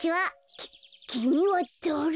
ききみはだれ？